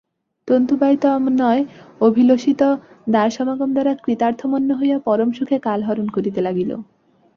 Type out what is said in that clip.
তন্তুবায়তনয় অভিলষিতদারসমাগম দ্বারা কৃতার্থম্মন্য হইয়া পরম সুখে কালহরণ করিতে লাগিল।